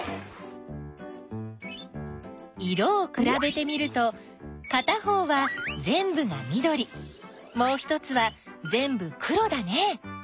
色をくらべてみるとかた方はぜんぶがみどりもう一つはぜんぶ黒だね。